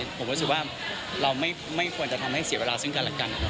ผมรู้สึกว่าเราไม่ควรจะทำให้เสียเวลาซึ่งกันและกัน